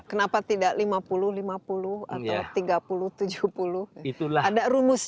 kenapa tidak lima puluh lima puluh atau tiga puluh tujuh puluh